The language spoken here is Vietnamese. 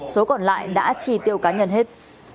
số còn lại đã trì tiêu cá nhân hết